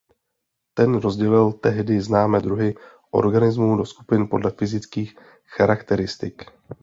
Ten rozdělil tehdy známé druhy organismů do skupin podle fyzických charakteristik.